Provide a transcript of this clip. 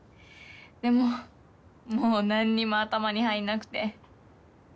でももうなんにも頭に入らなくて。